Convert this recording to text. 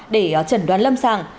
để chẩn đoán lâm sàng